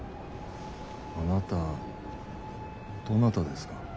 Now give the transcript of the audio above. あなたどなたですか？